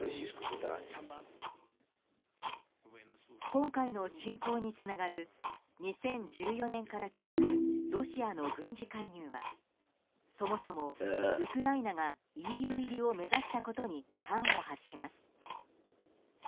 今回の侵攻につながる２０１４年から続くロシアの軍事介入はそもそもウクライナがＥＵ入りを目指したことに端を発します。